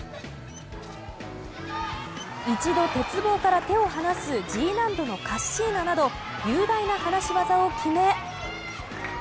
一度鉄棒から手を放すＧ難度のカッシーナなど雄大な離し技を決め